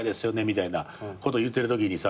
みたいなこと言ってるときにさ